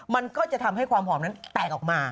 มันก็จะทำให้ความหอมนั้นแตกออกมา